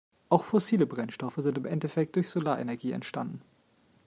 Auch fossile Brennstoffe sind im Endeffekt durch Solarenergie entstanden.